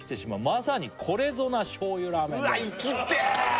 「まさにこれぞな醤油ラーメンです」